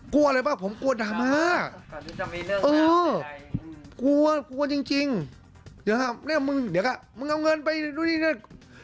กลัวเลยป่ะผมกลัวดามากกลัวจริงเดี๋ยวค่ะมึงเอาเงินไปดูนี่